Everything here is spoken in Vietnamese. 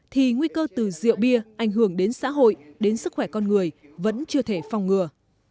thì nguy cơ từ rượu bia ảnh hưởng đến xã hội đến sức khỏe con người vẫn chưa thể phòng ngừa